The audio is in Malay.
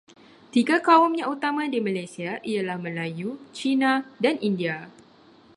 Tiga kaum yang utama di Malaysia ialah Melayu, Cina dan India.